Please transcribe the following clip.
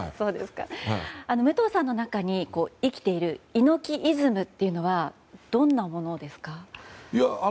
武藤さんの中に生きている猪木イズムというのはどんなものですか。